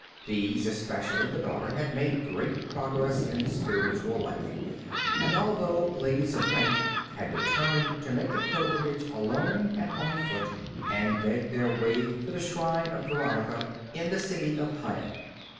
These, especially the daughter, had made great progress in the spiritual life, and although ladies of rank, had determined to make a pilgrimage alone and on foot, and beg their way to the shrine of Veronica, in the city of Jaen.